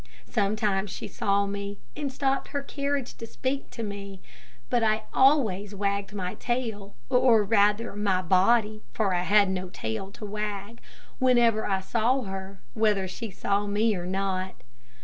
Sometimes she saw me and stopped her carriage to speak to me; but I always wagged my tail, or rather my body, for I had no tail to wag, whenever I saw her, whether she saw me or not.